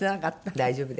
大丈夫です。